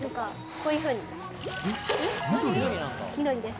こういうふうに緑です。